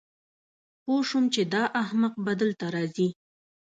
پوه شوم چې دا احمق به دلته راځي